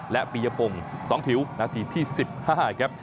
และปียพงศ์๒ผิวนาทีที่๑๕ครับ